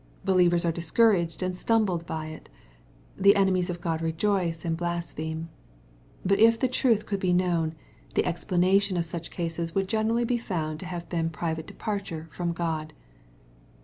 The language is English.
Believers are discouraged and stumbled by it. The enemies of God rejoice and blas pheme. But if the truth could be known, the explanation of such cases would generally be found to have been pri vate departure from God.